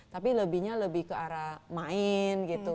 tapi lebihnya lebih ke arah main gitu